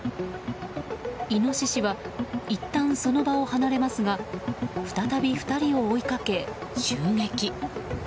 イノシシはいったんその場を離れますが再び２人を追いかけ襲撃。